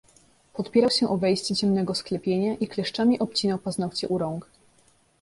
"Podpierał się o wejście ciemnego sklepienia, i kleszczami obcinał paznokcie u rąk."